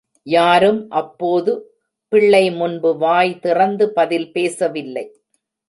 யாரும் அப்போது பிள்ளை முன்பு வாய் திறந்து பதில் பேசவில்லை.